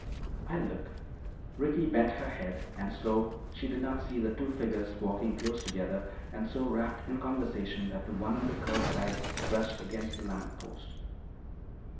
"I'll look." Ricky bent her head and so she did not see the two figures walking close together and so rapt in conversation that the one on the curb side brushed against a lamp post.